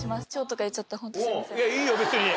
いやいいよ別に。